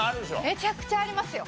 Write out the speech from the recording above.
めちゃくちゃありますよ。